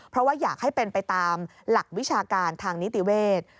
เพราะว่าอยากให้เป็นไปตามหลักวิชาการทางนิติเวทย์